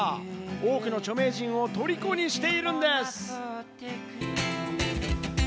多くの著名人をトリコにしているんです。